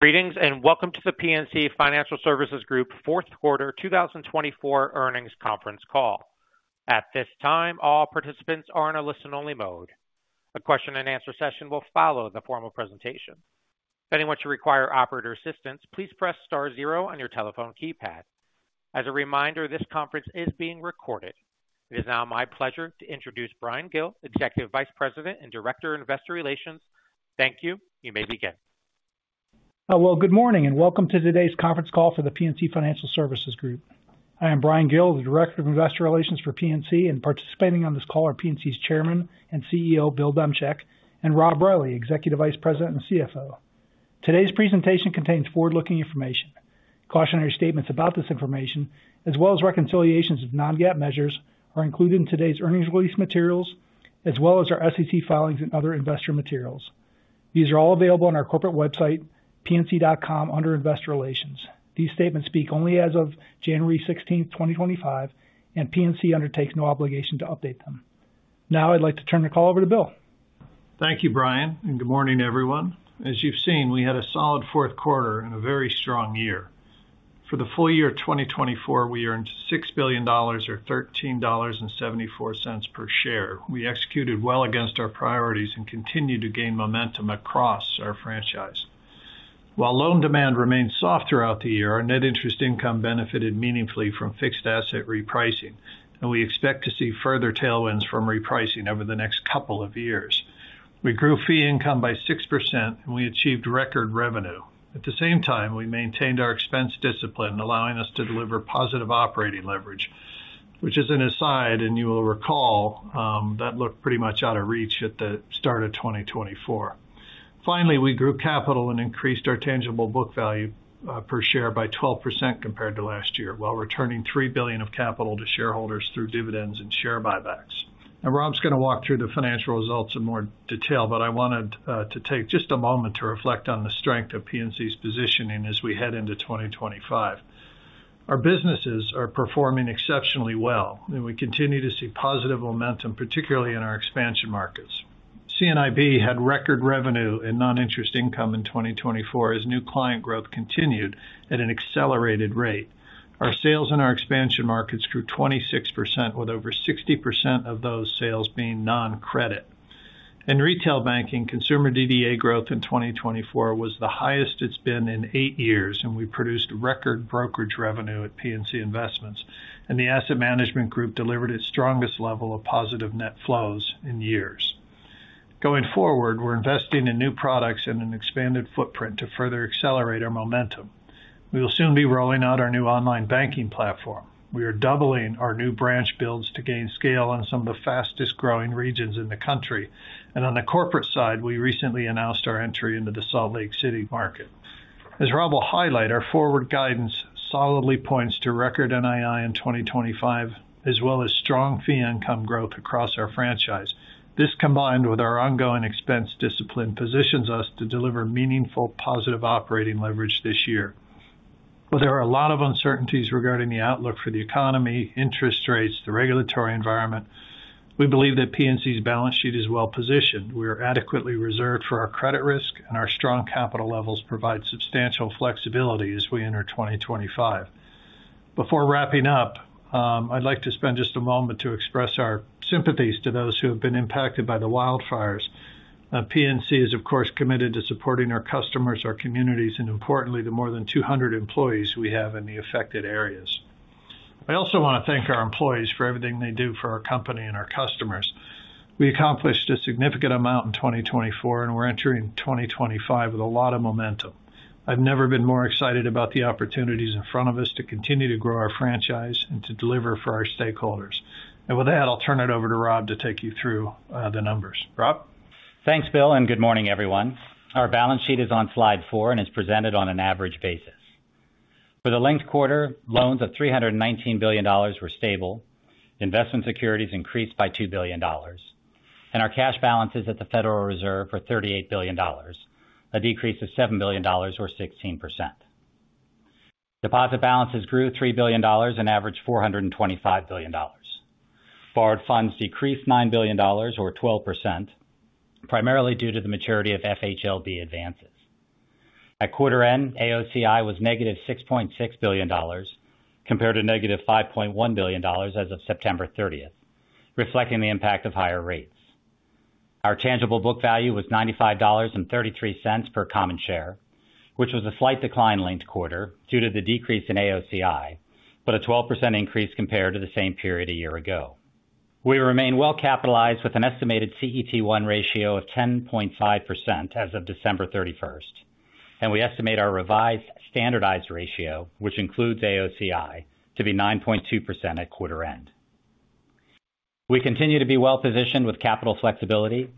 Greetings and welcome to the PNC Financial Services Group Fourth Quarter 2024 Earnings Conference Call. At this time, all participants are in a listen-only mode. A question-and-answer session will follow the formal presentation. If anyone should require operator assistance, please press star zero on your telephone keypad. As a reminder, this conference is being recorded. It is now my pleasure to introduce Bryan Gill, Executive Vice President and Director of Investor Relations. Thank you. You may begin. Good morning and welcome to today's conference call for the PNC Financial Services Group. I am Bryan Gill, the Director of Investor Relations for PNC, and participating on this call are PNC's Chairman and CEO Bill Demchak and Rob Reilly, Executive Vice President and CFO. Today's presentation contains forward-looking information. Cautionary statements about this information, as well as reconciliations of non-GAAP measures, are included in today's earnings release materials, as well as our SEC filings and other investor materials. These are all available on our corporate website, pnc.com, under Investor Relations. These statements speak only as of January 16, 2025, and PNC undertakes no obligation to update them. Now I'd like to turn the call over to Bill. Thank you, Bryan, and good morning, everyone. As you've seen, we had a solid fourth quarter and a very strong year. For the full year of 2024, we earned $6 billion, or $13.74 per share. We executed well against our priorities and continued to gain momentum across our franchise. While loan demand remained soft throughout the year, our net interest income benefited meaningfully from fixed asset repricing, and we expect to see further tailwinds from repricing over the next couple of years. We grew fee income by 6%, and we achieved record revenue. At the same time, we maintained our expense discipline, allowing us to deliver positive operating leverage, which is an aside, and you will recall that looked pretty much out of reach at the start of 2024. Finally, we grew capital and increased our tangible book value per share by 12% compared to last year, while returning $3 billion of capital to shareholders through dividends and share buybacks. Now, Rob's going to walk through the financial results in more detail, but I wanted to take just a moment to reflect on the strength of PNC's positioning as we head into 2025. Our businesses are performing exceptionally well, and we continue to see positive momentum, particularly in our expansion markets. C&IB had record revenue in non-interest income in 2024 as new client growth continued at an accelerated rate. Our sales in our expansion markets grew 26%, with over 60% of those sales being non-credit. In Retail Banking, consumer DDA growth in 2024 was the highest it's been in eight years, and we produced record brokerage revenue at PNC Investments, and the Asset Management Group delivered its strongest level of positive net flows in years. Going forward, we're investing in new products and an expanded footprint to further accelerate our momentum. We will soon be rolling out our new online banking platform. We are doubling our new branch builds to gain scale in some of the fastest-growing regions in the country, and on the corporate side, we recently announced our entry into the Salt Lake City market. As Rob will highlight, our forward guidance solidly points to record NII in 2025, as well as strong fee income growth across our franchise. This, combined with our ongoing expense discipline, positions us to deliver meaningful positive operating leverage this year. While there are a lot of uncertainties regarding the outlook for the economy, interest rates, and the regulatory environment, we believe that PNC's balance sheet is well-positioned. We are adequately reserved for our credit risk, and our strong capital levels provide substantial flexibility as we enter 2025. Before wrapping up, I'd like to spend just a moment to express our sympathies to those who have been impacted by the wildfires. PNC is, of course, committed to supporting our customers, our communities, and, importantly, the more than 200 employees we have in the affected areas. I also want to thank our employees for everything they do for our company and our customers. We accomplished a significant amount in 2024, and we're entering 2025 with a lot of momentum. I've never been more excited about the opportunities in front of us to continue to grow our franchise and to deliver for our stakeholders. And with that, I'll turn it over to Rob to take you through the numbers. Rob? Thanks, Bill, and good morning, everyone. Our balance sheet is on slide four and is presented on an average basis. For the linked quarter, loans of $319 billion were stable. Investment securities increased by $2 billion, and our cash balances at the Federal Reserve were $38 billion, a decrease of $7 billion, or 16%. Deposit balances grew $3 billion and averaged $425 billion. Borrowed funds decreased $9 billion, or 12%, primarily due to the maturity of FHLB advances. At quarter end, AOCI was negative $6.6 billion compared to negative $5.1 billion as of September 30th, reflecting the impact of higher rates. Our tangible book value was $95.33 per common share, which was a slight decline linked quarter due to the decrease in AOCI, but a 12% increase compared to the same period a year ago. We remain well-capitalized with an estimated CET1 ratio of 10.5% as of December 31, and we estimate our revised standardized ratio, which includes AOCI, to be 9.2% at quarter end. We continue to be well-positioned with capital flexibility.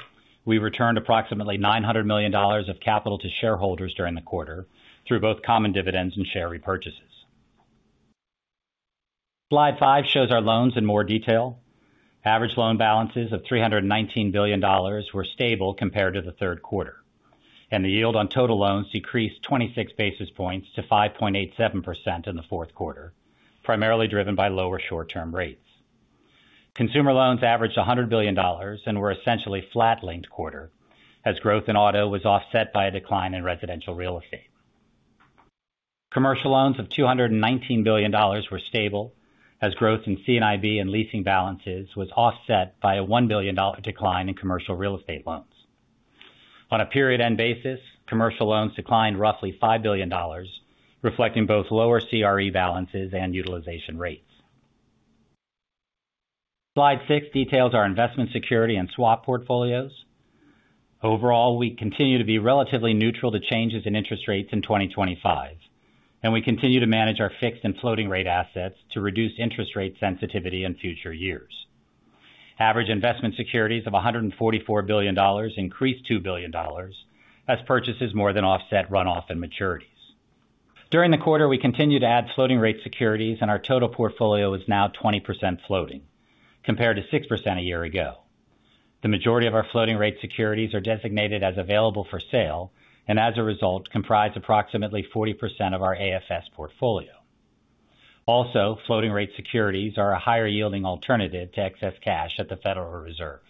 We returned approximately $900 million of capital to shareholders during the quarter through both common dividends and share repurchases. Slide five shows our loans in more detail. Average loan balances of $319 billion were stable compared to the third quarter, and the yield on total loans decreased 26 basis points to 5.87% in the fourth quarter, primarily driven by lower short-term rates. Consumer loans averaged $100 billion and were essentially flat, linked quarter, as growth in auto was offset by a decline in residential real estate. Commercial loans of $219 billion were stable, as growth in C&IB and leasing balances was offset by a $1 billion decline in commercial real estate loans. On a period-end basis, commercial loans declined roughly $5 billion, reflecting both lower CRE balances and utilization rates. Slide six details our investment security and swap portfolios. Overall, we continue to be relatively neutral to changes in interest rates in 2025, and we continue to manage our fixed and floating-rate assets to reduce interest rate sensitivity in future years. Average investment securities of $144 billion increased $2 billion, as purchases more than offset runoff and maturities. During the quarter, we continued to add floating-rate securities, and our total portfolio is now 20% floating, compared to 6% a year ago. The majority of our floating-rate securities are designated as available for sale and, as a result, comprise approximately 40% of our AFS portfolio. Also, floating-rate securities are a higher-yielding alternative to excess cash at the Federal Reserve.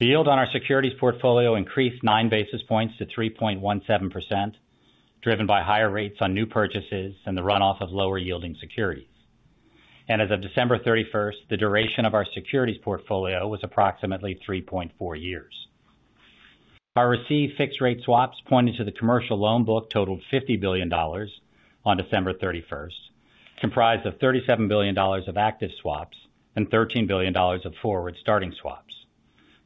The yield on our securities portfolio increased nine basis points to 3.17%, driven by higher rates on new purchases and the runoff of lower-yielding securities, and as of December 31st, the duration of our securities portfolio was approximately 3.4 years. Our received fixed-rate swaps pointed to the commercial loan book totaled $50 billion on December 31st, comprised of $37 billion of active swaps and $13 billion of forward starting swaps.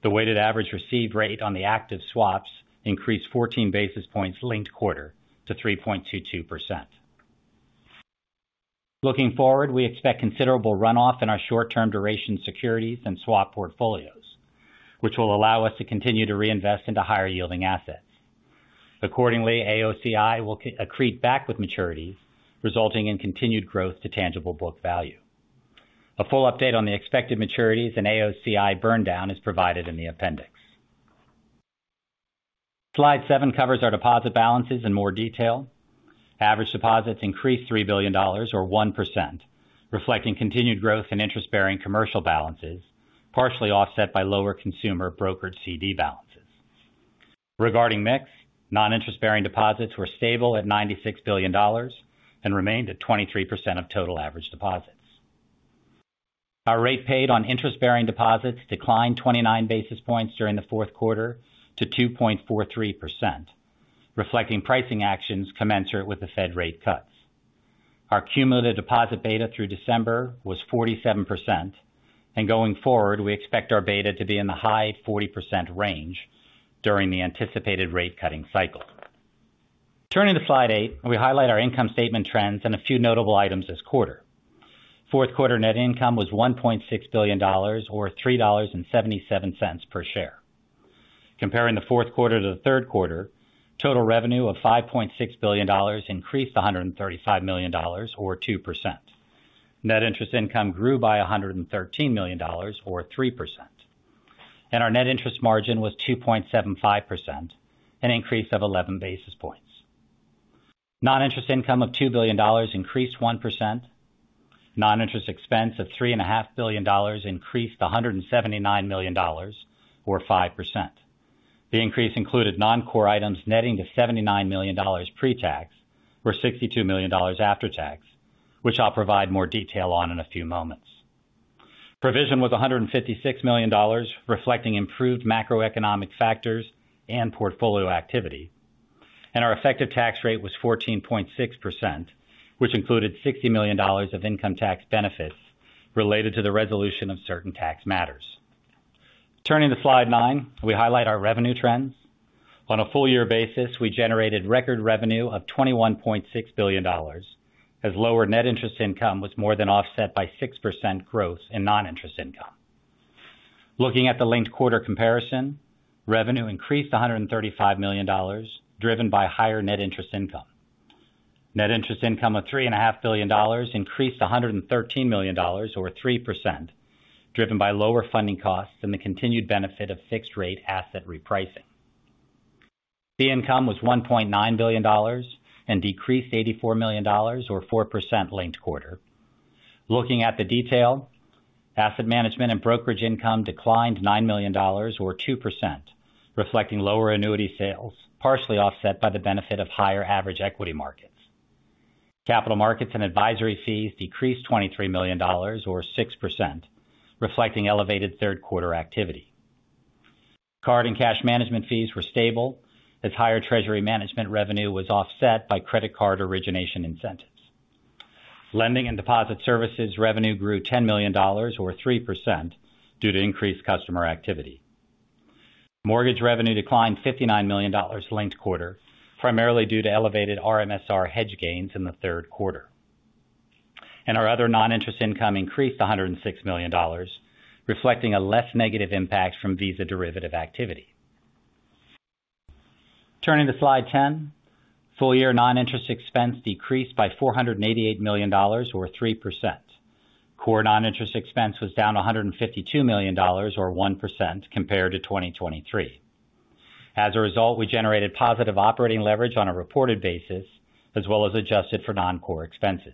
The weighted average received rate on the active swaps increased 14 basis points linked quarter to 3.22%. Looking forward, we expect considerable runoff in our short-term duration securities and swap portfolios, which will allow us to continue to reinvest into higher-yielding assets. Accordingly, AOCI will accrete back with maturities, resulting in continued growth to tangible book value. A full update on the expected maturities and AOCI burn down is provided in the appendix. Slide seven covers our deposit balances in more detail. Average deposits increased $3 billion, or 1%, reflecting continued growth in interest-bearing commercial balances, partially offset by lower consumer brokered CD balances. Regarding mix, non-interest-bearing deposits were stable at $96 billion and remained at 23% of total average deposits. Our rate paid on interest-bearing deposits declined 29 basis points during the fourth quarter to 2.43%, reflecting pricing actions commensurate with the Fed rate cuts. Our cumulative deposit beta through December was 47%, and going forward, we expect our beta to be in the high 40% range during the anticipated rate-cutting cycle. Turning to slide eight, we highlight our income statement trends and a few notable items this quarter. Fourth quarter net income was $1.6 billion, or $3.77 per share. Comparing the fourth quarter to the third quarter, total revenue of $5.6 billion increased $135 million, or 2%. Net interest income grew by $113 million, or 3%. Our net interest margin was 2.75%, an increase of 11 basis points. Non-interest income of $2 billion increased 1%. Non-interest expense of $3.5 billion increased $179 million, or 5%. The increase included non-core items netting to $79 million pre-tax, or $62 million after-tax, which I'll provide more detail on in a few moments. Provision was $156 million, reflecting improved macroeconomic factors and portfolio activity. Our effective tax rate was 14.6%, which included $60 million of income tax benefits related to the resolution of certain tax matters. Turning to slide nine, we highlight our revenue trends. On a full-year basis, we generated record revenue of $21.6 billion, as lower net interest income was more than offset by 6% growth in non-interest income. Looking at the linked quarter comparison, revenue increased $135 million, driven by higher net interest income. Net interest income of $3.5 billion increased $113 million, or 3%, driven by lower funding costs and the continued benefit of fixed-rate asset repricing. Fee income was $1.9 billion and decreased $84 million, or 4%, linked quarter. Looking at the detail, Asset Management and brokerage income declined $9 million, or 2%, reflecting lower annuity sales, partially offset by the benefit of higher average equity markets. Capital markets and advisory fees decreased $23 million, or 6%, reflecting elevated third-quarter activity. Card and cash management fees were stable, as higher treasury management revenue was offset by credit card origination incentives. Lending and Deposit Services revenue grew $10 million, or 3%, due to increased customer activity. Mortgage revenue declined $59 million, linked quarter, primarily due to elevated RMSR hedge gains in the third quarter, and our other non-interest income increased $106 million, reflecting a less negative impact from Visa derivative activity. Turning to slide 10, full-year non-interest expense decreased by $488 million, or 3%. Core non-interest expense was down $152 million, or 1%, compared to 2023. As a result, we generated positive operating leverage on a reported basis, as well as adjusted for non-core expenses.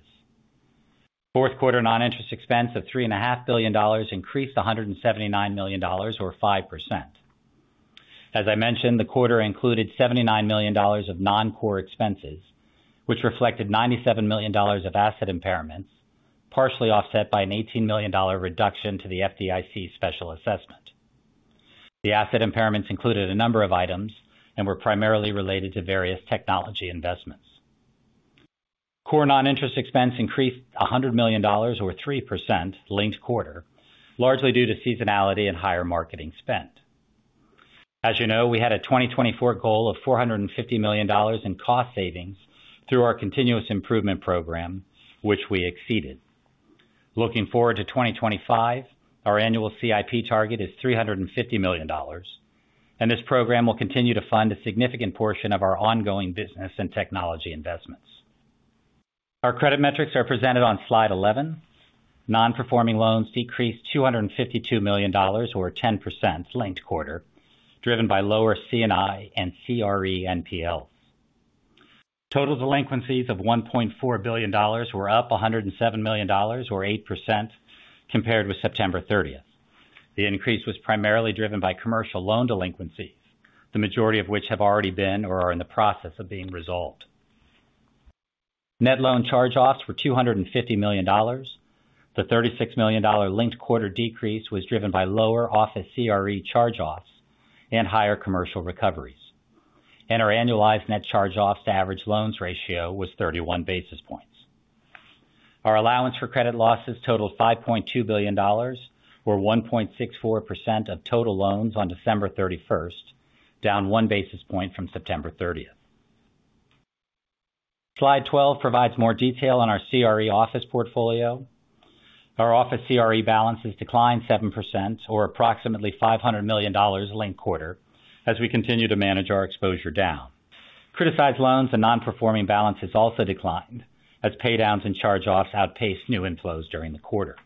Fourth quarter non-interest expense of $3.5 billion increased $179 million, or 5%. As I mentioned, the quarter included $79 million of non-core expenses, which reflected $97 million of asset impairments, partially offset by an $18 million reduction to the FDIC special assessment. The asset impairments included a number of items and were primarily related to various technology investments. Core non-interest expense increased $100 million, or 3%, linked quarter, largely due to seasonality and higher marketing spend. As you know, we had a 2024 goal of $450 million in cost savings through our Continuous Improvement Program, which we exceeded. Looking forward to 2025, our annual CIP target is $350 million, and this program will continue to fund a significant portion of our ongoing business and technology investments. Our credit metrics are presented on slide 11. Non-performing loans decreased $252 million, or 10%, linked quarter, driven by lower C&I and CRE NPLs. Total delinquencies of $1.4 billion were up $107 million, or 8%, compared with September 30. The increase was primarily driven by commercial loan delinquencies, the majority of which have already been or are in the process of being resolved. Net loan charge-offs were $250 million. The $36 million linked quarter decrease was driven by lower office CRE charge-offs and higher commercial recoveries. Our annualized net charge-offs to average loans ratio was 31 basis points. Our allowance for credit losses totaled $5.2 billion, or 1.64% of total loans on December 31st, down one basis point from September 30th. Slide 12 provides more detail on our CRE office portfolio. Our office CRE balances declined 7%, or approximately $500 million linked quarter, as we continue to manage our exposure down. Criticized loans and non-performing balances also declined, as paydowns and charge-offs outpaced new inflows during the quarter.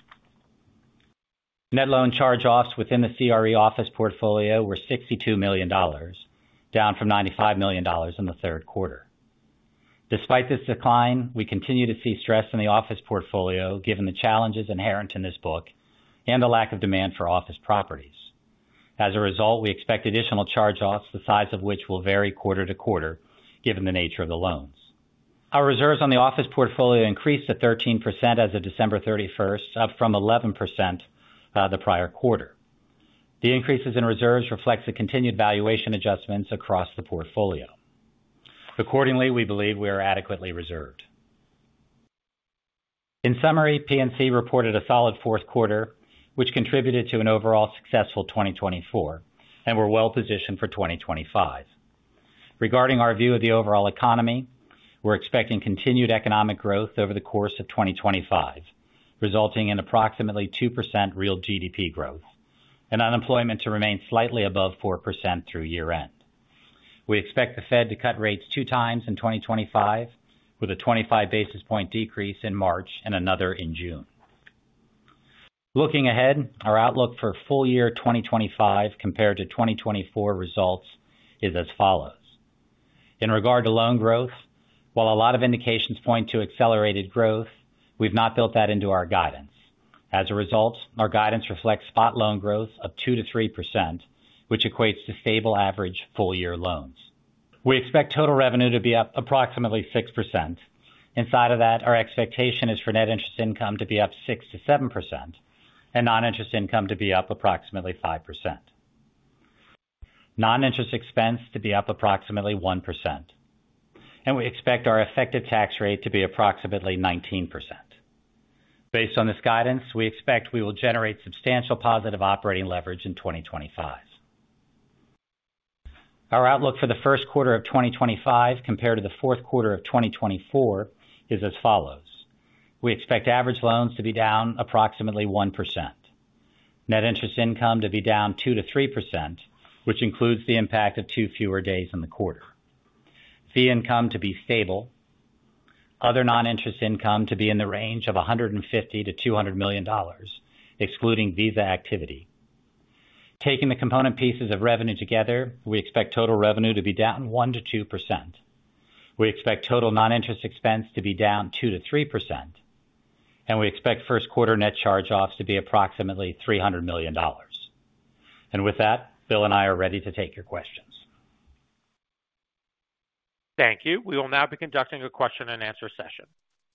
Net loan charge-offs within the CRE office portfolio were $62 million, down from $95 million in the third quarter. Despite this decline, we continue to see stress in the office portfolio, given the challenges inherent in this book and the lack of demand for office properties. As a result, we expect additional charge-offs, the size of which will vary quarter to quarter, given the nature of the loans. Our reserves on the office portfolio increased to 13% as of December 31st, up from 11% the prior quarter. The increases in reserves reflect the continued valuation adjustments across the portfolio. Accordingly, we believe we are adequately reserved. In summary, PNC reported a solid fourth quarter, which contributed to an overall successful 2024 and we're well-positioned for 2025. Regarding our view of the overall economy, we're expecting continued economic growth over the course of 2025, resulting in approximately 2% real GDP growth and unemployment to remain slightly above 4% through year-end. We expect the Fed to cut rates two times in 2025, with a 25 basis point decrease in March and another in June. Looking ahead, our outlook for full-year 2025 compared to 2024 results is as follows. In regard to loan growth, while a lot of indications point to accelerated growth, we've not built that into our guidance. As a result, our guidance reflects spot loan growth of 2%-3%, which equates to stable average full-year loans. We expect total revenue to be up approximately 6%. Inside of that, our expectation is for net interest income to be up 6% to 7% and non-interest income to be up approximately 5%. Non-interest expense to be up approximately 1%, and we expect our effective tax rate to be approximately 19%. Based on this guidance, we expect we will generate substantial positive operating leverage in 2025. Our outlook for the first quarter of 2025 compared to the fourth quarter of 2024 is as follows. We expect average loans to be down approximately 1%, net interest income to be down 2% to 3%, which includes the impact of two fewer days in the quarter, fee income to be stable, other non-interest income to be in the range of $150 million-$200 million, excluding Visa activity. Taking the component pieces of revenue together, we expect total revenue to be down 1% to 2%. We expect total non-interest expense to be down 2%-3%. And we expect first quarter net charge-offs to be approximately $300 million. And with that, Bill and I are ready to take your questions. Thank you. We will now be conducting a question and answer session.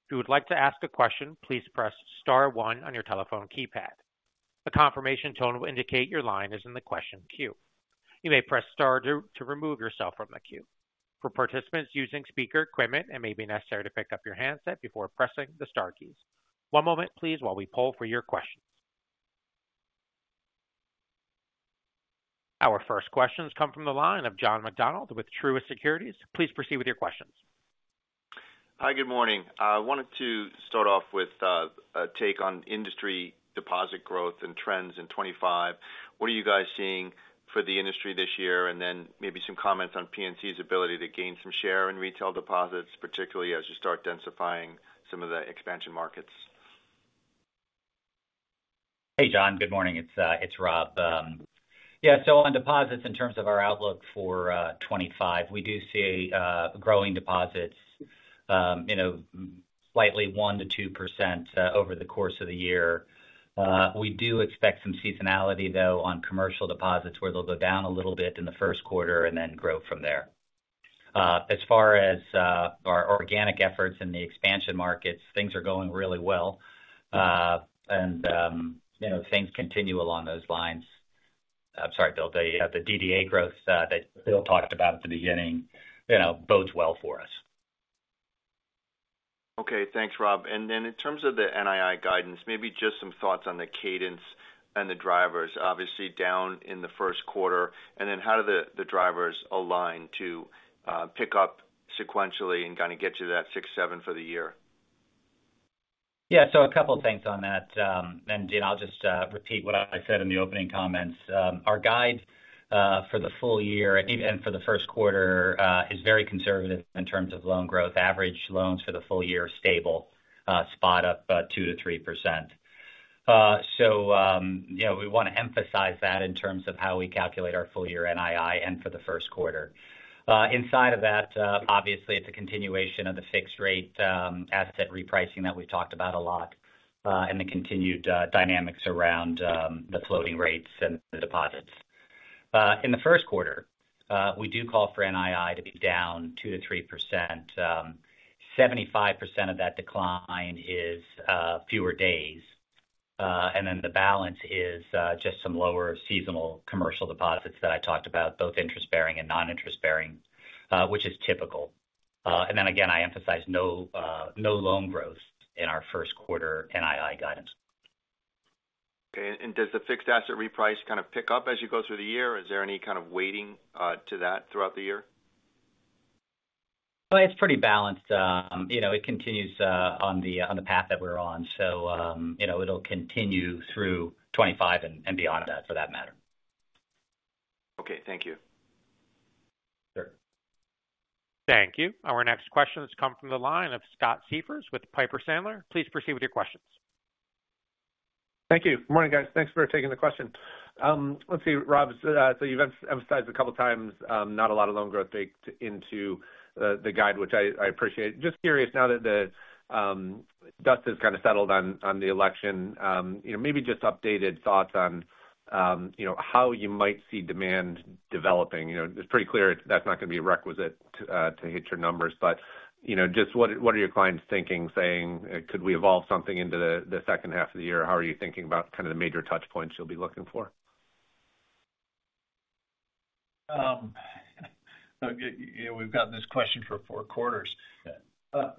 If you would like to ask a question, please press star one on your telephone keypad. The confirmation tone will indicate your line is in the question queue. You may press star two to remove yourself from the queue. For participants using speaker equipment, it may be necessary to pick up your handset before pressing the star keys. One moment, please, while we poll for your questions. Our first questions come from the line of John McDonald with Truist Securities. Please proceed with your questions. Hi, good morning. I wanted to start off with a take on industry deposit growth and trends in 2025. What are you guys seeing for the industry this year, and then maybe some comments on PNC's ability to gain some share in retail deposits, particularly as you start densifying some of the expansion markets. Hey, John, good morning. It's Rob. Yeah, so on deposits, in terms of our outlook for 2025, we do see growing deposits, slightly 1%-2% over the course of the year. We do expect some seasonality, though, on commercial deposits, where they'll go down a little bit in the first quarter and then grow from there. As far as our organic efforts in the expansion markets, things are going really well, and if things continue along those lines, I'm sorry, Bill, the DDA growth that Bill talked about at the beginning bodes well for us. Okay, thanks, Rob. And then in terms of the NII guidance, maybe just some thoughts on the cadence and the drivers, obviously down in the first quarter. And then how do the drivers align to pick up sequentially and kind of get to that 6%-7% for the year? Yeah, so a couple of things on that. And, John, I'll just repeat what I said in the opening comments. Our guide for the full year and for the first quarter is very conservative in terms of loan growth. Average loans for the full year are stable, spot up 2%-3%. So we want to emphasize that in terms of how we calculate our full-year NII and for the first quarter. Inside of that, obviously, it's a continuation of the fixed-rate asset repricing that we've talked about a lot and the continued dynamics around the floating rates and the deposits. In the first quarter, we do call for NII to be down 2%-3%. 75% of that decline is fewer days. And then the balance is just some lower seasonal commercial deposits that I talked about, both interest-bearing and non-interest-bearing, which is typical. And then, again, I emphasize no loan growth in our first quarter NII guidance. Okay. And does the fixed asset reprice kind of pick up as you go through the year? Is there any kind of weighting to that throughout the year? It's pretty balanced. It continues on the path that we're on. It'll continue through 2025 and beyond that, for that matter. Okay, thank you. Sure. Thank you. Our next questions come from the line of Scott Siefers with Piper Sandler. Please proceed with your questions. Thank you. Good morning, guys. Thanks for taking the question. Let's see, Rob, so you've emphasized a couple of times not a lot of loan growth baked into the guide, which I appreciate. Just curious, now that the dust has kind of settled on the election, maybe just updated thoughts on how you might see demand developing. It's pretty clear that's not going to be a requisite to hit your numbers. But just what are your clients thinking, saying, could we evolve something into the second half of the year? How are you thinking about kind of the major touchpoints you'll be looking for? We've got this question for four quarters. A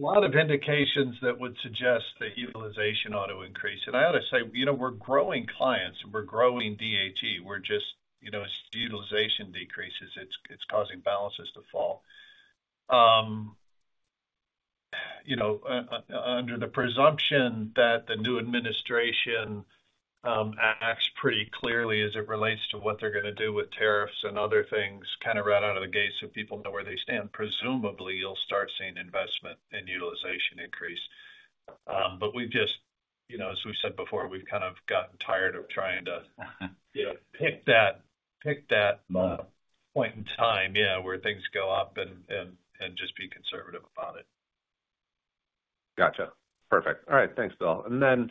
lot of indications that would suggest that utilization ought to increase. And I ought to say we're growing clients. We're growing DDA. We're just, as utilization decreases, it's causing balances to fall. Under the presumption that the new administration acts pretty clearly as it relates to what they're going to do with tariffs and other things, kind of right out of the gate, so people know where they stand, presumably, you'll start seeing investment and utilization increase. But we've just, as we said before, we've kind of gotten tired of trying to pick that point in time, yeah, where things go up and just be conservative about it. Gotcha. Perfect. All right, thanks, Bill. And then,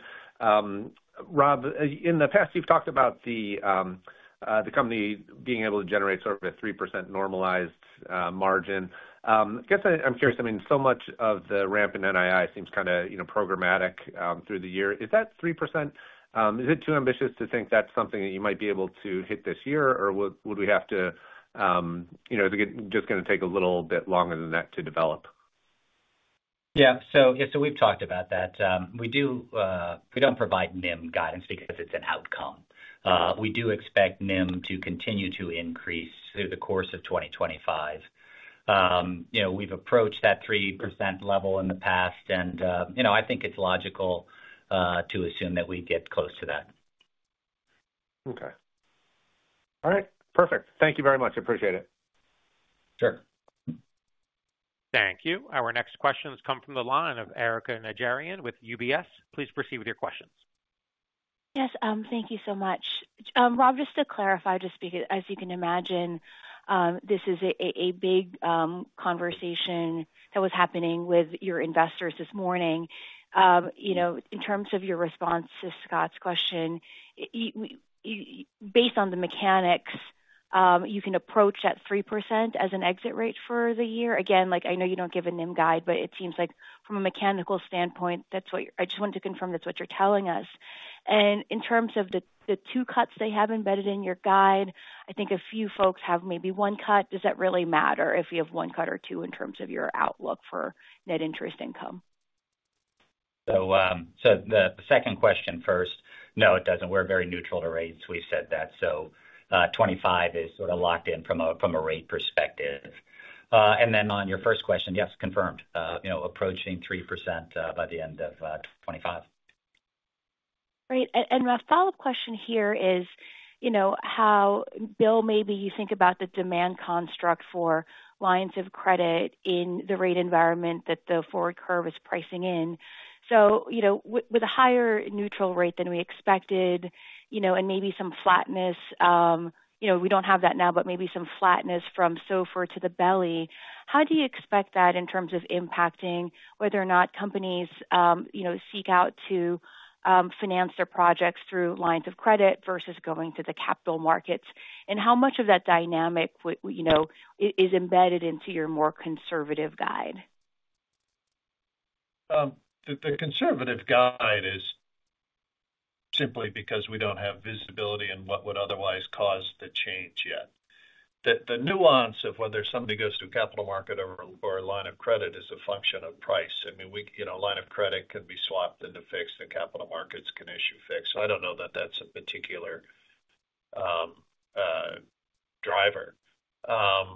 Rob, in the past, you've talked about the company being able to generate sort of a 3% normalized margin. I guess I'm curious. I mean, so much of the ramp in NII seems kind of programmatic through the year. Is that 3%? Is it too ambitious to think that's something that you might be able to hit this year? Or would we have to, is it just going to take a little bit longer than that to develop? Yeah, so we've talked about that. We don't provide NIM guidance because it's an outcome. We do expect NIM to continue to increase through the course of 2025. We've approached that 3% level in the past, and I think it's logical to assume that we get close to that. Okay. All right. Perfect. Thank you very much. Appreciate it. Sure. Thank you. Our next questions come from the line of Erica Najarian with UBS. Please proceed with your questions. Yes, thank you so much. Rob, just to clarify, just as you can imagine, this is a big conversation that was happening with your investors this morning. In terms of your response to Scott's question, based on the mechanics, you can approach that 3% as an exit rate for the year. Again, I know you don't give a NIM guide, but it seems like from a mechanical standpoint, I just wanted to confirm that's what you're telling us. And in terms of the two cuts they have embedded in your guide, I think a few folks have maybe one cut. Does that really matter if you have one cut or two in terms of your outlook for net interest income? So the second question first, no, it doesn't. We're very neutral to rates. We've said that. So 2025 is sort of locked in from a rate perspective. And then on your first question, yes, confirmed, approaching 3% by the end of 2025. Great. And my follow-up question here is how, Bill, maybe you think about the demand construct for lines of credit in the rate environment that the forward curve is pricing in. So with a higher neutral rate than we expected and maybe some flatness, we don't have that now, but maybe some flatness from SOFR to the belly. How do you expect that in terms of impacting whether or not companies seek out to finance their projects through lines of credit versus going to the capital markets? And how much of that dynamic is embedded into your more conservative guide? The conservative guide is simply because we don't have visibility in what would otherwise cause the change yet. The nuance of whether somebody goes to a capital market or a line of credit is a function of price. I mean, a line of credit can be swapped into fixed, and capital markets can issue fixed. So I don't know that that's a particular driver.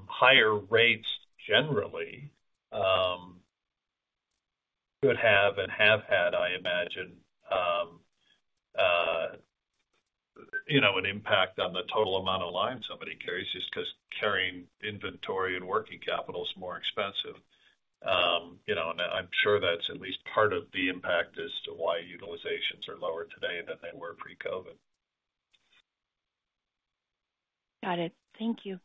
Higher rates generally could have and have had, I imagine, an impact on the total amount of lines somebody carries just because carrying inventory and working capital is more expensive. And I'm sure that's at least part of the impact as to why utilizations are lower today than they were pre-COVID. Got it. Thank you.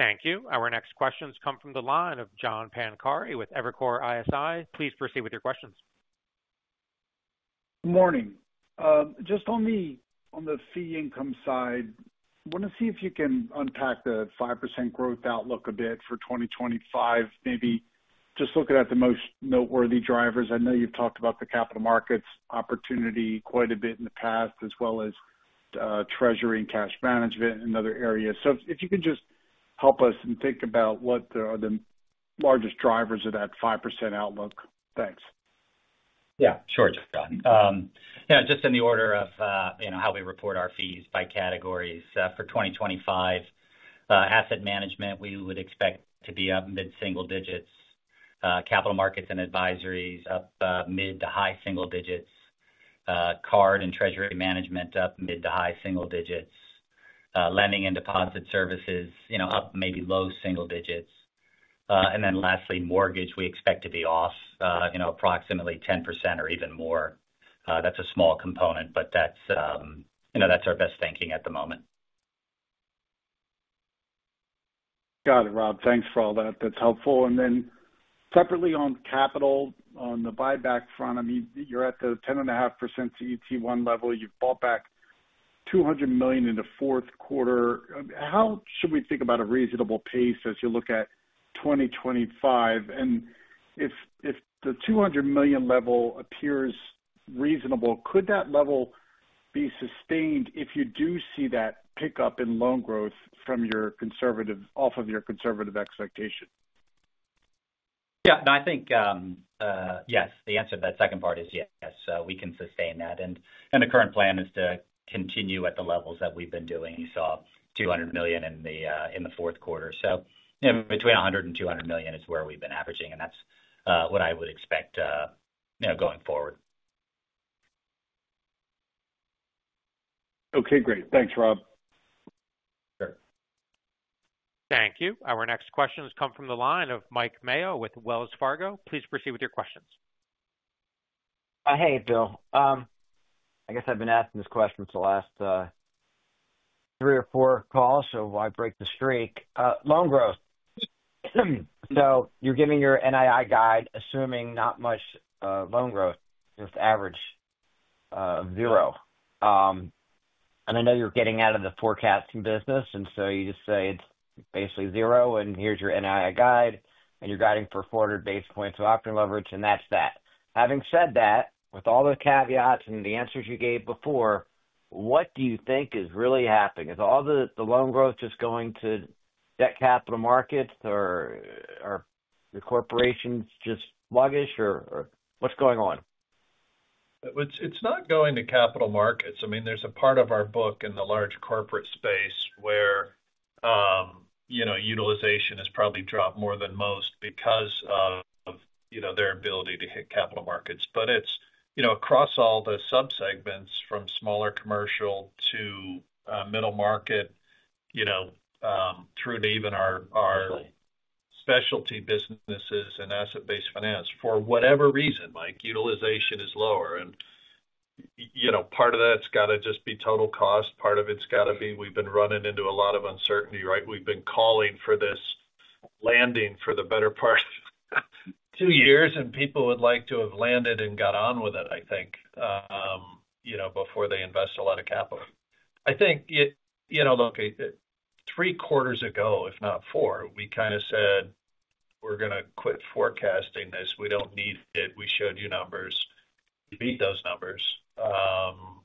Thank you. Our next questions come from the line of John Pancari with Evercore ISI. Please proceed with your questions. Good morning. Just on the fee income side, I want to see if you can unpack the 5% growth outlook a bit for 2025, maybe just looking at the most noteworthy drivers. I know you've talked about the capital markets opportunity quite a bit in the past, as well as treasury and cash management and other areas. So if you can just help us and think about what are the largest drivers of that 5% outlook? Thanks. Yeah, sure, John. Yeah, just in the order of how we report our fees by categories for 2025, Asset Management, we would expect to be up mid-single digits. Capital Markets and Advisory up mid to high single digits. Card and Treasury Management up mid to high single digits. Lending and deposit services up maybe low single digits. And then lastly, Mortgage, we expect to be off approximately 10% or even more. That's a small component, but that's our best thinking at the moment. Got it, Rob. Thanks for all that. That's helpful. And then separately on capital, on the buyback front, I mean, you're at the 10.5% CET1 level. You've bought back $200 million in the fourth quarter. How should we think about a reasonable pace as you look at 2025? And if the $200 million level appears reasonable, could that level be sustained if you do see that pickup in loan growth from off of your conservative expectation? Yeah. No, I think, yes, the answer to that second part is yes. We can sustain that. And the current plan is to continue at the levels that we've been doing. You saw $200 million in the fourth quarter. So between $100 million and $200 million is where we've been averaging. And that's what I would expect going forward. Okay, great. Thanks, Rob. Sure. Thank you. Our next questions come from the line of Mike Mayo with Wells Fargo. Please proceed with your questions. Hey, Bill. I guess I've been asking this question for the last three or four calls, so why break the streak? Loan growth. So you're giving your NII guide, assuming not much loan growth, just average of zero. And I know you're getting out of the forecasting business. And so you just say it's basically zero. And here's your NII guide. And you're guiding for 400 basis points of operating leverage. And that's that. Having said that, with all the caveats and the answers you gave before, what do you think is really happening? Is all the loan growth just going to debt capital markets or are the corporations just sluggish? Or what's going on? It's not going to capital markets. I mean, there's a part of our book in the large corporate space where utilization has probably dropped more than most because of their ability to hit capital markets. But it's across all the subsegments from smaller commercial to middle market through to even our specialty businesses and asset-based finance. For whatever reason, Mike, utilization is lower. And part of that's got to just be total cost. Part of it's got to be we've been running into a lot of uncertainty, right? We've been calling for this landing for the better part of two years. And people would like to have landed and got on with it, I think, before they invest a lot of capital. I think, look, three quarters ago, if not four, we kind of said, "We're going to quit forecasting this. We don't need it. We showed you numbers. Beat those numbers."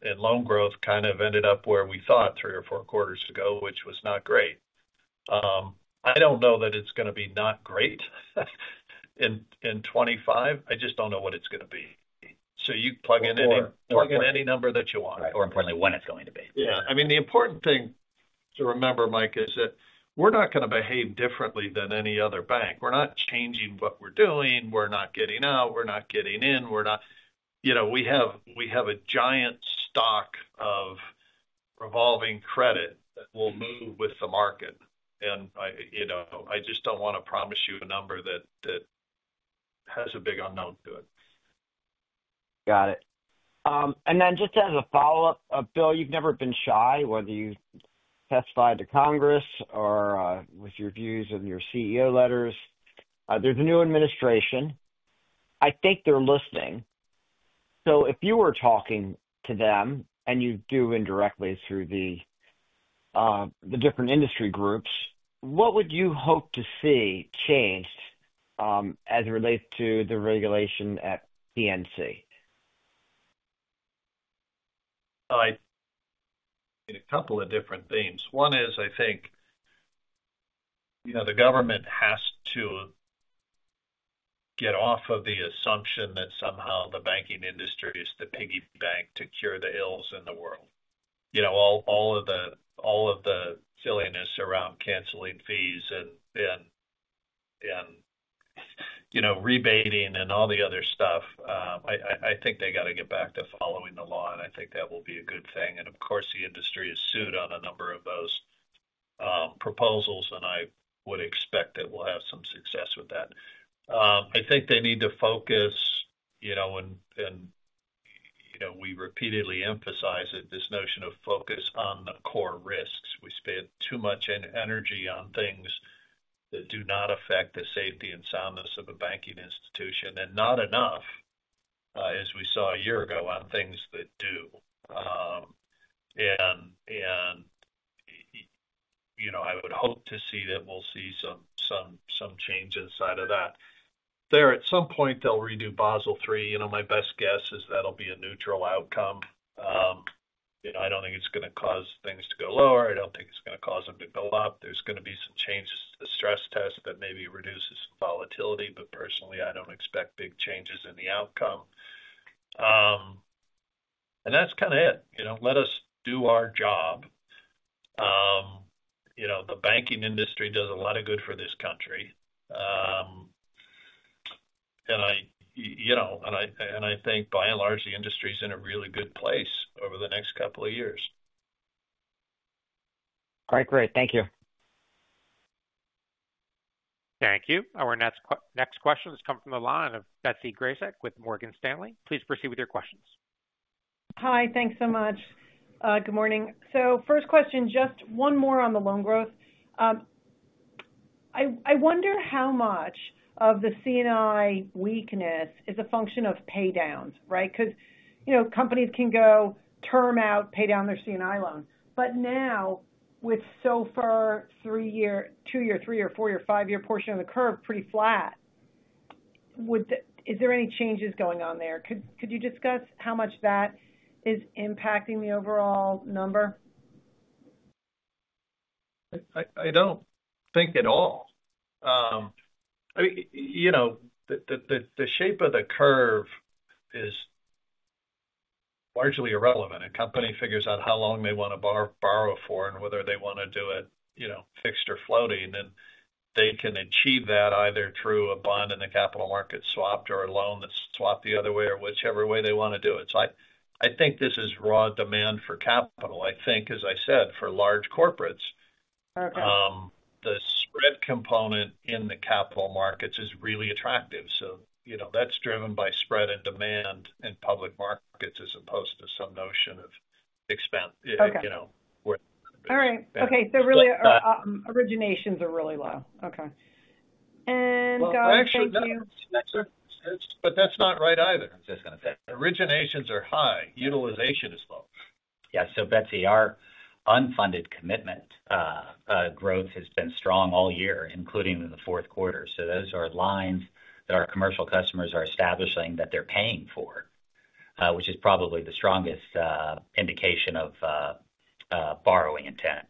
And loan growth kind of ended up where we thought three or four quarters ago, which was not great. I don't know that it's going to be not great in 2025. I just don't know what it's going to be, so you plug in any number that you want. Or, importantly, when it's going to be. Yeah. I mean, the important thing to remember, Mike, is that we're not going to behave differently than any other bank. We're not changing what we're doing. We're not getting out. We're not getting in. We have a giant stock of revolving credit that will move with the market. And I just don't want to promise you a number that has a big unknown to it. Got it. And then just as a follow-up, Bill, you've never been shy, whether you testify to Congress or with your views of your CEO letters. There's a new administration. I think they're listening. So if you were talking to them and you do indirectly through the different industry groups, what would you hope to see changed as it relates to the regulation at PNC? Alright. A couple of different things. One is, I think the government has to get off of the assumption that somehow the banking industry is the piggy bank to cure the ills in the world. All of the silliness around canceling fees and rebating and all the other stuff, I think they got to get back to following the law, and I think that will be a good thing, and of course, the industry is suing on a number of those proposals, and I would expect that we'll have some success with that. I think they need to focus, and we repeatedly emphasize this notion of focus on the core risks. We spend too much energy on things that do not affect the safety and soundness of a banking institution and not enough, as we saw a year ago, on things that do. I would hope to see that we'll see some change inside of that. There, at some point, they'll redo Basel III. My best guess is that'll be a neutral outcome. I don't think it's going to cause things to go lower. I don't think it's going to cause them to go up. There's going to be some changes to the stress test that maybe reduces volatility. Personally, I don't expect big changes in the outcome. That's kind of it. Let us do our job. The banking industry does a lot of good for this country. I think, by and large, the industry is in a really good place over the next couple of years. All right. Great. Thank you. Thank you. Our next questions come from the line of Betsy Graseck with Morgan Stanley. Please proceed with your questions. Hi. Thanks so much. Good morning. So first question, just one more on the loan growth. I wonder how much of the C&I weakness is a function of paydowns, right? Because companies can go term out, pay down their C&I loan. But now, with SOFR two-year, three-year, four-year, five-year portion of the curve pretty flat, is there any changes going on there? Could you discuss how much that is impacting the overall number? I don't think at all. I mean, the shape of the curve is largely irrelevant. A company figures out how long they want to borrow for and whether they want to do it fixed or floating. And they can achieve that either through a bond in the capital market swapped or a loan that's swapped the other way or whichever way they want to do it. So I think this is raw demand for capital. I think, as I said, for large corporates, the spread component in the capital markets is really attractive. So that's driven by spread and demand in public markets as opposed to some notion of expense where it's going to be. All right. Okay. So really, originations are really low. Okay. And got to see if you. Actually, that's not right either. I was just going to say. Originations are high. Utilization is low. Yeah. So Betsy, our unfunded commitment growth has been strong all year, including in the fourth quarter. So those are lines that our commercial customers are establishing that they're paying for, which is probably the strongest indication of borrowing intent.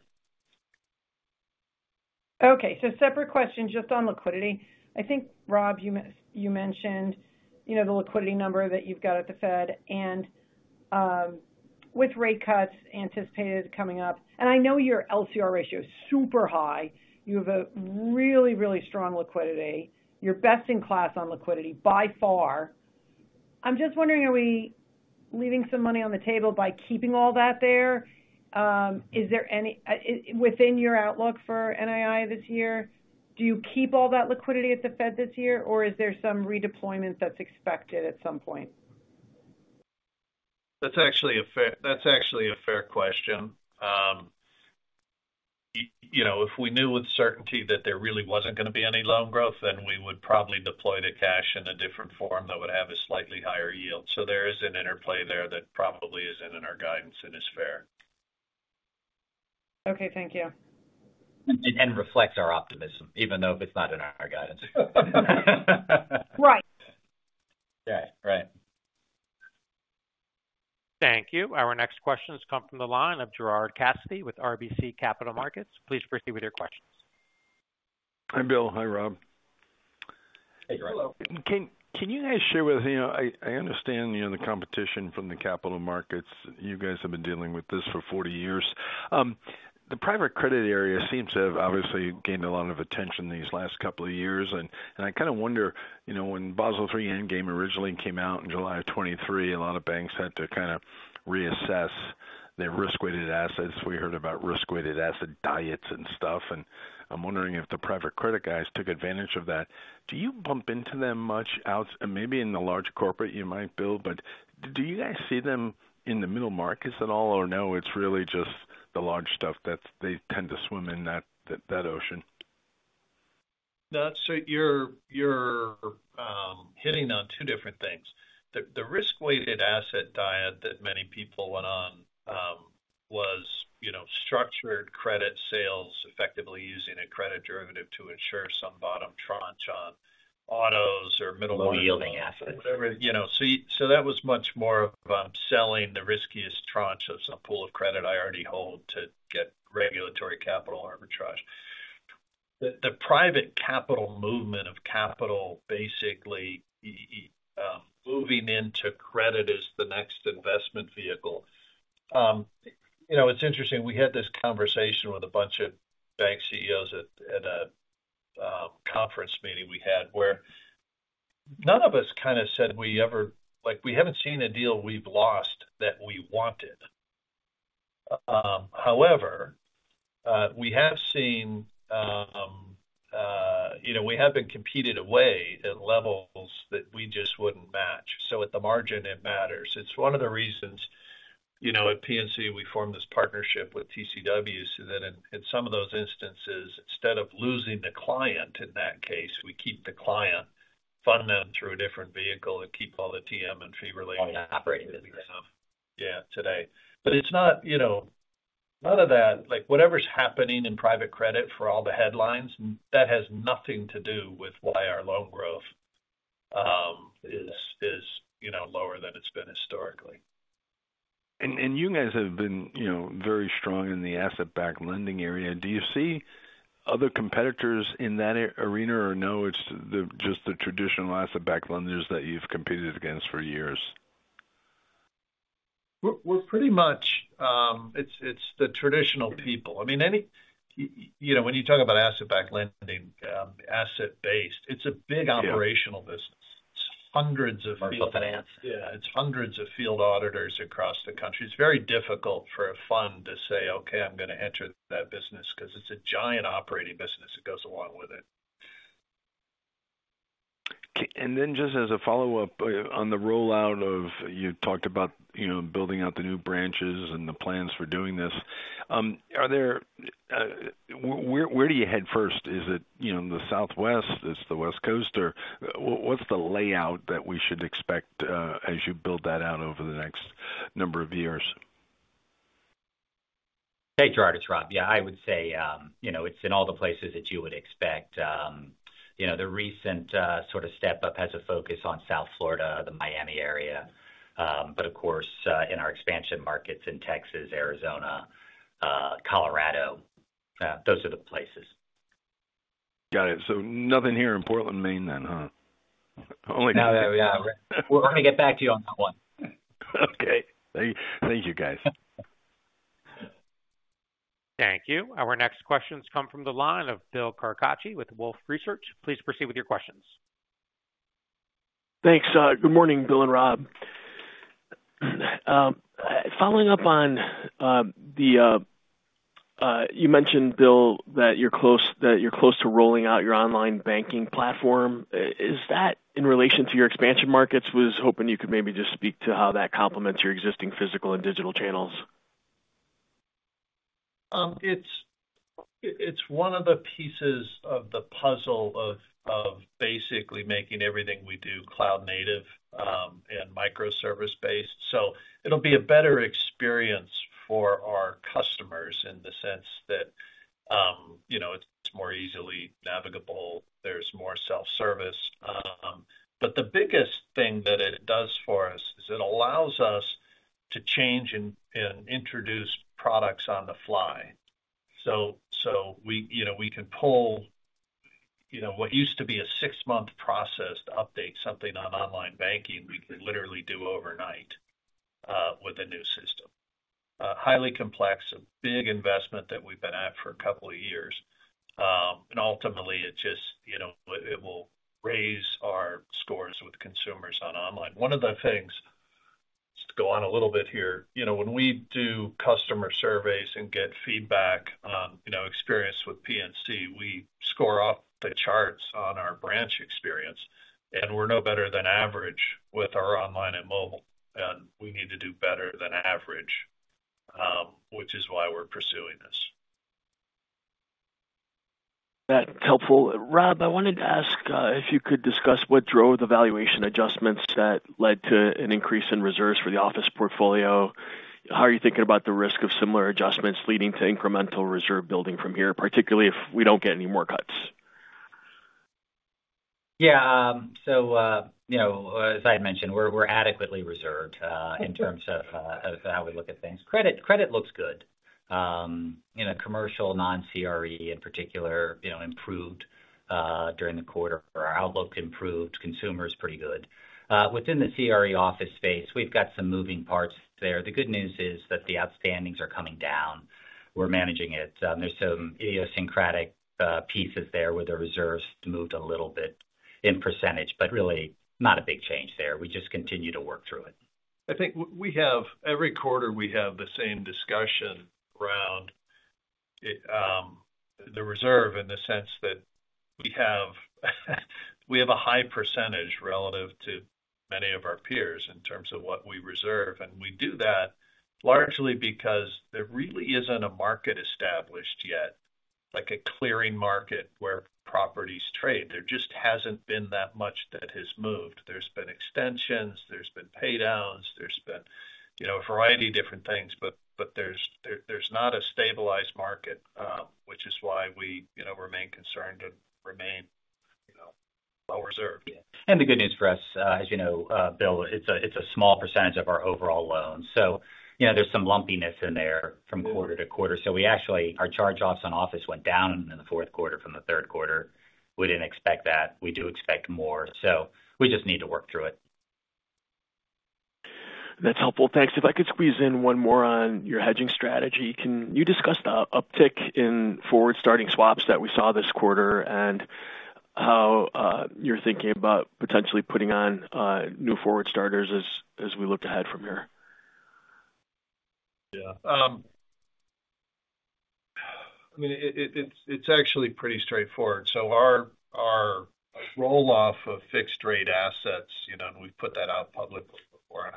Okay. So separate question just on liquidity. I think, Rob, you mentioned the liquidity number that you've got at the Fed. And with rate cuts anticipated coming up, and I know your LCR ratio is super high. You have a really, really strong liquidity. You're best in class on liquidity by far. I'm just wondering, are we leaving some money on the table by keeping all that there? Is there any within your outlook for NII this year, do you keep all that liquidity at the Fed this year? Or is there some redeployment that's expected at some point? That's actually a fair question. If we knew with certainty that there really wasn't going to be any loan growth, then we would probably deploy the cash in a different form that would have a slightly higher yield. So there is an interplay there that probably isn't in our guidance and is fair. Okay. Thank you. Reflects our optimism, even though if it's not in our guidance. Correct. Yeah. Right. Thank you. Our next questions come from the line of Gerard Cassidy with RBC Capital Markets. Please proceed with your questions. Hi, Bill. Hi, Rob. Hey, Gerard. Hello. Can you guys share with me? I understand the competition from the capital markets. You guys have been dealing with this for 40 years. The private credit area seems to have obviously gained a lot of attention these last couple of years. And I kind of wonder, when Basel III endgame originally came out in July of 2023, a lot of banks had to kind of reassess their risk-weighted assets. We heard about risk-weighted asset diets and stuff. And I'm wondering if the private credit guys took advantage of that. Do you bump into them much? Maybe in the large corporate you might build, but do you guys see them in the middle markets at all? Or no, it's really just the large stuff that they tend to swim in that ocean? No. So you're hitting on two different things. The risk-weighted asset diet that many people went on was structured credit sales, effectively using a credit derivative to ensure some bottom tranche on autos or middle market. No yielding assets. Whatever. So that was much more of selling the riskiest tranche of some pool of credit I already hold to get regulatory capital arbitrage. The private capital movement of capital basically moving into credit as the next investment vehicle. It's interesting. We had this conversation with a bunch of bank CEOs at a conference meeting we had where none of us kind of said we ever we haven't seen a deal we've lost that we wanted. However, we have seen we have been competed away at levels that we just wouldn't match. So at the margin, it matters. It's one of the reasons at PNC, we formed this partnership with TCW so that in some of those instances, instead of losing the client in that case, we keep the client, fund them through a different vehicle, and keep all the TM and fee-related. All the operating business. Yeah, today. But it's not none of that. Whatever's happening in private credit for all the headlines, that has nothing to do with why our loan growth is lower than it's been historically. You guys have been very strong in the asset-backed lending area. Do you see other competitors in that arena? Or no, it's just the traditional asset-backed lenders that you've competed against for years? We're pretty much. It's the traditional people. I mean, when you talk about asset-backed lending, asset-based, it's a big operational business. It's hundreds of people. Market finance. Yeah. It's hundreds of field auditors across the country. It's very difficult for a fund to say, "Okay. I'm going to enter that business," because it's a giant operating business that goes along with it. And then just as a follow-up on the rollout of you talked about building out the new branches and the plans for doing this. Where do you head first? Is it the Southwest? It's the West Coast? Or what's the layout that we should expect as you build that out over the next number of years? Hey, Gerard, it's Rob. Yeah. I would say it's in all the places that you would expect. The recent sort of step-up has a focus on South Florida, the Miami area. But of course, in our expansion markets in Texas, Arizona, Colorado, those are the places. Got it. Nothing here in Portland, Maine then, huh? No, no. Yeah. We're going to get back to you on that one. Okay. Thank you, guys. Thank you. Our next questions come from the line of Bill Carcache with Wolfe Research. Please proceed with your questions. Thanks. Good morning, Bill and Rob. Following up on the one you mentioned, Bill, that you're close to rolling out your online banking platform. Is that in relation to your expansion markets? I was hoping you could maybe just speak to how that complements your existing physical and digital channels. It's one of the pieces of the puzzle of basically making everything we do cloud-native and microservice-based. So it'll be a better experience for our customers in the sense that it's more easily navigable. There's more self-service. But the biggest thing that it does for us is it allows us to change and introduce products on the fly. So we can pull what used to be a six-month process to update something on online banking, we can literally do overnight with a new system. Highly complex, a big investment that we've been at for a couple of years. And ultimately, it will raise our scores with consumers on online. One of the things just to go on a little bit here. When we do customer surveys and get feedback on experience with PNC, we score off the charts on our branch experience. And we're no better than average with our online and mobile. And we need to do better than average, which is why we're pursuing this. That's helpful. Rob, I wanted to ask if you could discuss what drove the valuation adjustments that led to an increase in reserves for the office portfolio. How are you thinking about the risk of similar adjustments leading to incremental reserve building from here, particularly if we don't get any more cuts? Yeah. So as I had mentioned, we're adequately reserved in terms of how we look at things. Credit looks good. Commercial, non-CRE in particular, improved during the quarter. Our outlook improved. Consumers pretty good. Within the CRE office space, we've got some moving parts there. The good news is that the outstandings are coming down. We're managing it. There's some idiosyncratic pieces there where the reserves moved a little bit in percentage. But really, not a big change there. We just continue to work through it. I think every quarter we have the same discussion around the reserve in the sense that we have a high percentage relative to many of our peers in terms of what we reserve, and we do that largely because there really isn't a market established yet, like a clearing market where properties trade. There just hasn't been that much that has moved. There's been extensions. There's been paydowns. There's been a variety of different things, but there's not a stabilized market, which is why we remain concerned and remain well reserved. The good news for us, as you know, Bill, it's a small percentage of our overall loans. So there's some lumpiness in there from quarter to quarter. So, actually, our charge-offs on office went down in the fourth quarter from the third quarter. We didn't expect that. We do expect more. So we just need to work through it. That's helpful. Thanks. If I could squeeze in one more on your hedging strategy, can you discuss the uptick in forward-starting swaps that we saw this quarter and how you're thinking about potentially putting on new forward starters as we look ahead from here? Yeah. I mean, it's actually pretty straightforward. So our roll-off of fixed-rate assets, and we've put that out publicly before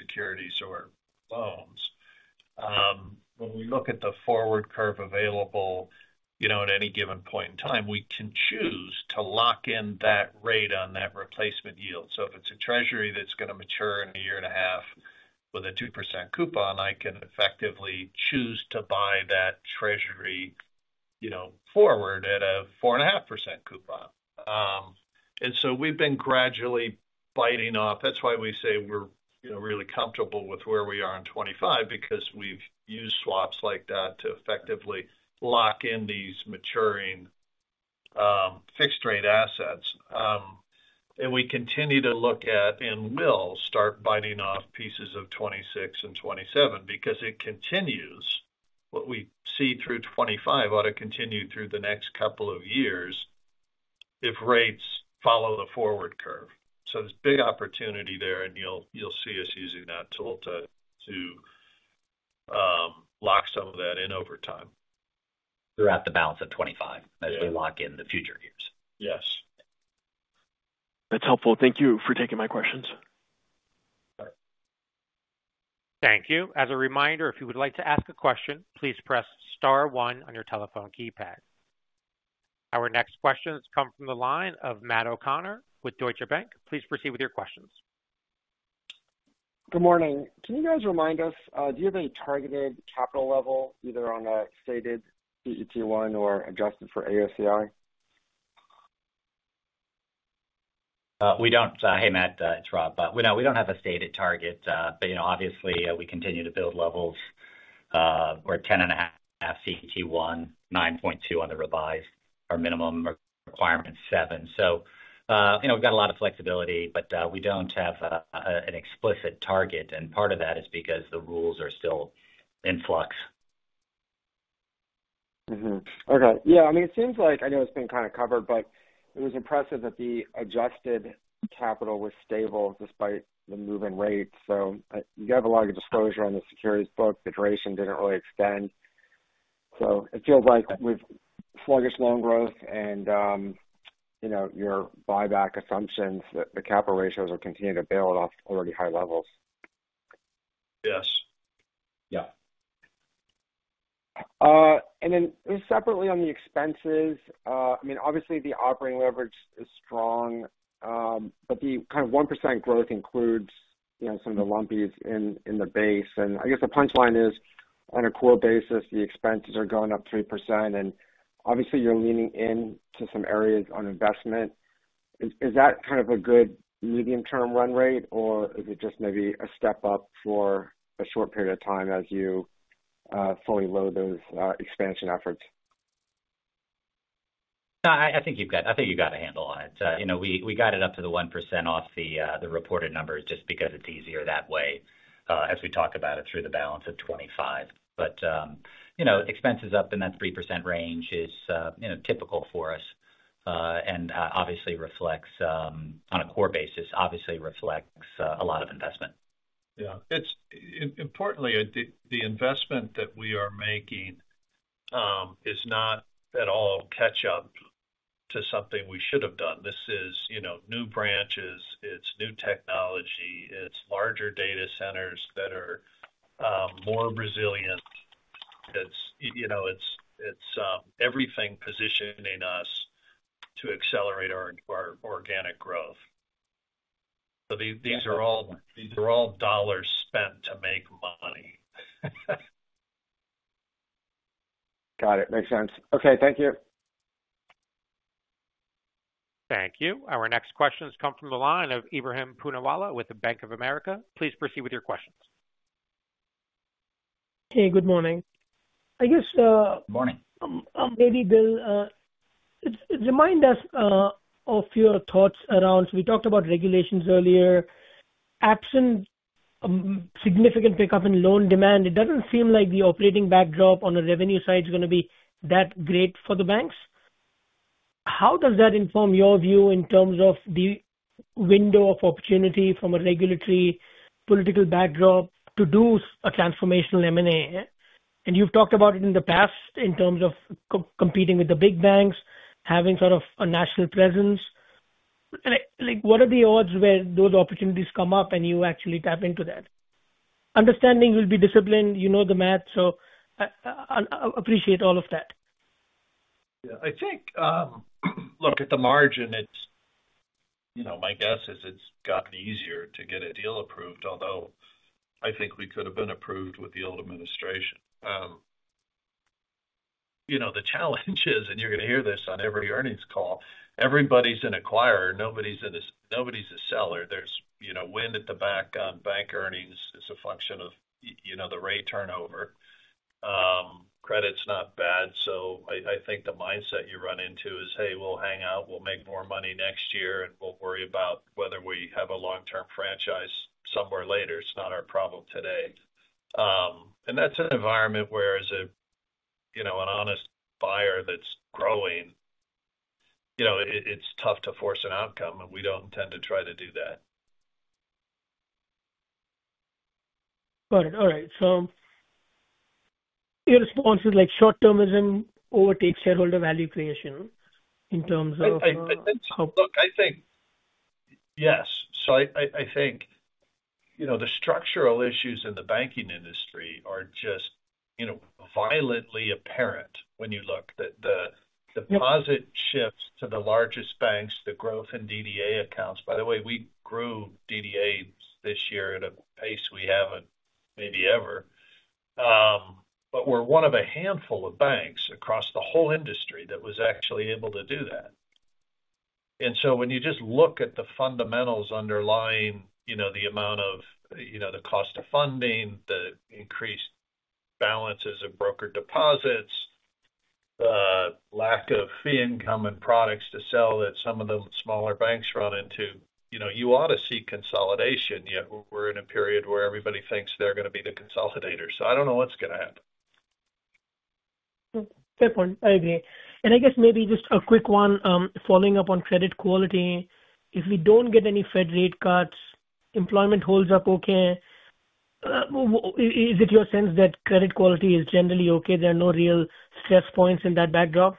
on how much securities or loans. When we look at the forward curve available at any given point in time, we can choose to lock in that rate on that replacement yield. So if it's a Treasury that's going to mature in a year and a half with a 2% coupon, I can effectively choose to buy that Treasury forward at a 4.5% coupon. And so we've been gradually biting off. That's why we say we're really comfortable with where we are in 2025 because we've used swaps like that to effectively lock in these maturing fixed-rate assets. And we continue to look at and will start biting off pieces of 2026 and 2027 because it continues. What we see through 2025 ought to continue through the next couple of years if rates follow the forward curve. So there's big opportunity there. And you'll see us using that tool to lock some of that in over time. Throughout the balance of 2025 as we lock in the future years. Yes. That's helpful. Thank you for taking my questions. All right. Thank you. As a reminder, if you would like to ask a question, please press star one on your telephone keypad. Our next questions come from the line of Matt O'Connor with Deutsche Bank. Please proceed with your questions. Good morning. Can you guys remind us, do you have any targeted capital level either on a stated CET1 or adjusted for AOCI? We don't. Hey, Matt. It's Rob, but we don't have a stated target, but obviously, we continue to build levels. We're at 10.5 CET1, 9.2 on the revised. Our minimum requirement's seven, so we've got a lot of flexibility, but we don't have an explicit target, and part of that is because the rules are still in flux. Okay. Yeah. I mean, it seems like I know it's been kind of covered, but it was impressive that the adjusted capital was stable despite the moving rates. So you have a lot of disclosure on the securities book. The duration didn't really extend. So it feels like with sluggish loan growth and your buyback assumptions, the capital ratios will continue to build off already high levels. Yes. Yeah. And then separately on the expenses, I mean, obviously, the operating leverage is strong. But the kind of 1% growth includes some of the lumpies, in the base. And I guess the punchline is, on a core basis, the expenses are going up 3%. And obviously, you're leaning into some areas on investment. Is that kind of a good medium-term run rate? Or is it just maybe a step up for a short period of time as you fully load those expansion efforts? No. I think you've got a handle on it. We got it up to the 1% off the reported numbers just because it's easier that way as we talk about it through the balance of 2025. But expenses up in that 3% range is typical for us and obviously reflects on a core basis a lot of investment. Yeah. Importantly, the investment that we are making is not at all catch-up to something we should have done. This is new branches. It's new technology. It's larger data centers that are more resilient. It's everything positioning us to accelerate our organic growth. So these are all dollars spent to make money. Got it. Makes sense. Okay. Thank you. Thank you. Our next questions come from the line of Ebrahim Poonawala with Bank of America. Please proceed with your questions. Hey, good morning. I guess. Morning. Maybe, Bill, remind us of your thoughts around we talked about regulations earlier. Absent significant pickup in loan demand, it doesn't seem like the operating backdrop on a revenue side is going to be that great for the banks. How does that inform your view in terms of the window of opportunity from a regulatory political backdrop to do a transformational M&A? You've talked about it in the past in terms of competing with the big banks, having sort of a national presence. What are the odds where those opportunities come up and you actually tap into that? Understanding will be discipline. You know the math. So I appreciate all of that. Yeah. I think, look, at the margin, my guess is it's gotten easier to get a deal approved, although I think we could have been approved with the old administration. The challenge is, and you're going to hear this on every earnings call, everybody's an acquirer. Nobody's a seller. There's wind at the back on bank earnings. It's a function of the rate turnover. Credit's not bad. So I think the mindset you run into is, "Hey, we'll hang out. We'll make more money next year. And we'll worry about whether we have a long-term franchise somewhere later. It's not our problem today." And that's an environment where, as an honest buyer that's growing, it's tough to force an outcome. And we don't intend to try to do that. Got it. All right. So your response is short-termism overtakes shareholder value creation in terms of. I think, look, yes. So I think the structural issues in the banking industry are just violently apparent when you look. The deposit shifts to the largest banks, the growth in DDA accounts. By the way, we grew DDAs this year at a pace we haven't maybe ever. But we're one of a handful of banks across the whole industry that was actually able to do that. And so when you just look at the fundamentals underlying the amount of the cost of funding, the increased balances of brokered deposits, the lack of fee income and products to sell that some of the smaller banks run into, you ought to see consolidation. Yet we're in a period where everybody thinks they're going to be the consolidators. So I don't know what's going to happen. Good point. I agree. And I guess maybe just a quick one, following up on credit quality. If we don't get any Fed rate cuts, employment holds up okay, is it your sense that credit quality is generally okay? There are no real stress points in that backdrop?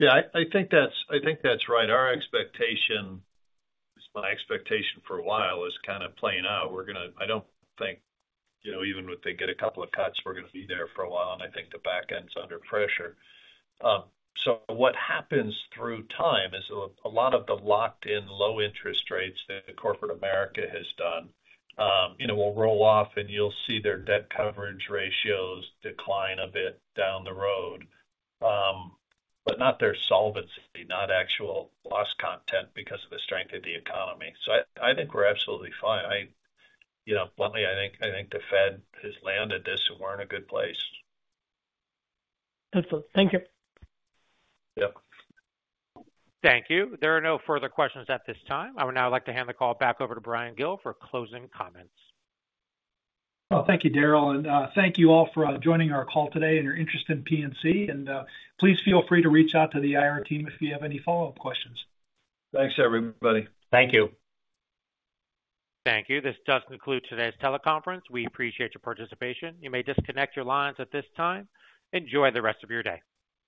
Yeah. I think that's right. Our expectation, at least my expectation for a while, is kind of playing out. I don't think even if they get a couple of cuts, we're going to be there for a while. And I think the back end's under pressure. So what happens through time is a lot of the locked-in low interest rates that corporate America has done will roll off. And you'll see their debt coverage ratios decline a bit down the road. But not their solvency, not actual loss content because of the strength of the economy. So I think we're absolutely fine. Bluntly, I think the Fed has landed this and we're in a good place. Excellent. Thank you. Yep. Thank you. There are no further questions at this time. I would now like to hand the call back over to Bryan Gill for closing comments. Thank you, Daryl. Thank you all for joining our call today and your interest in PNC. Please feel free to reach out to the IR team if you have any follow-up questions. Thanks, everybody. Thank you. Thank you. This does conclude today's teleconference. We appreciate your participation. You may disconnect your lines at this time. Enjoy the rest of your day.